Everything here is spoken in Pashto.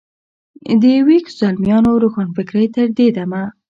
د ویښ زلمیانو روښانفکرۍ تر دې دمه.